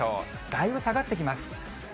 だいぶ下がってきます。